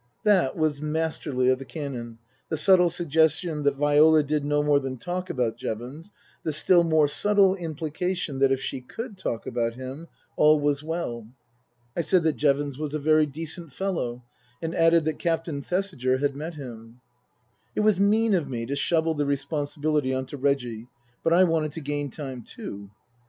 " That was masterly of the Canon, the subtle suggestion that Viola did no more than talk about Jevons, the still more subtle implication that if she could talk about him all was well. I said that Jevons was a very decent fellow, and added that Captain Thesiger had met him. It was mean of me to shovel the responsibility on to Reggie, but I wanted to gain time, too.